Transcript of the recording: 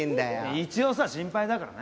一応さ心配だからな。